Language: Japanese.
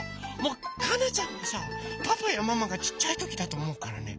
かなちゃんはさパパやママがちっちゃいときだとおもうからね。